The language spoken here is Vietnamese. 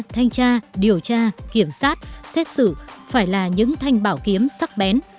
thanh tra điều tra kiểm soát xét xử phải là những thanh bảo kiếm sắc bén